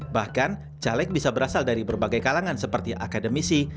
bahkan caleg bisa berasal dari berbagai kalangan seperti akademisi